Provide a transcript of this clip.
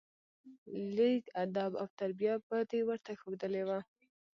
لېږ ادب او تربيه به دې ورته ښودلى وه.